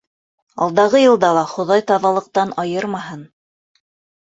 Алдағы йылда ла Хоҙай таҙалыҡтан айырмаһын.